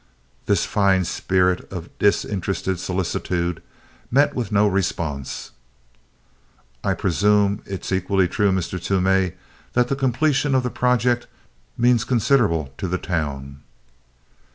This fine spirit of disinterested solicitude met with no response. "I presume it's equally true, Mr. Toomey, that the completion of the project means considerable to the town?"